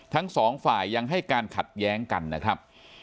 ทั้งสองฝ่ายยังให้การขัดแย้งกันนะครับ